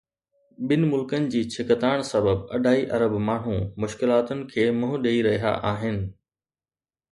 ٻن ملڪن جي ڇڪتاڻ سبب اڍائي ارب ماڻهو مشڪلاتن کي منهن ڏئي رهيا آهن